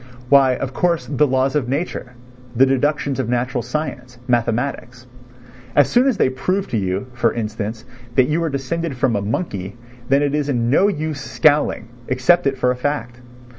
Why, of course, the laws of nature, the deductions of natural science, mathematics. As soon as they prove to you, for instance, that you are descended from a monkey, then it is no use scowling, accept it for a fact.